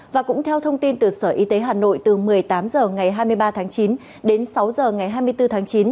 và cũng theo thông tin từ sở y tế hà nội từ một mươi tám h ngày hai mươi ba tháng chín đến sáu h ngày hai mươi bốn tháng chín